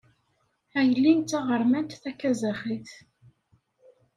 Aylin d taɣermant takaẓaxit.